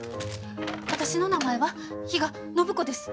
私の名前は比嘉暢子です。